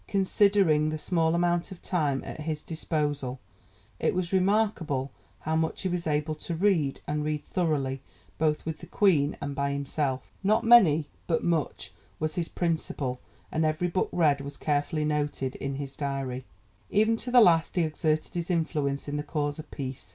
Considering the small amount of time at his disposal, it was remarkable how much he was able to read, and read thoroughly, both with the Queen and by himself. "Not many, but much," was his principle, and every book read was carefully noted in his diary. Even to the last he exerted his influence in the cause of peace.